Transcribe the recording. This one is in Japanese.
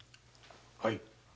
はい。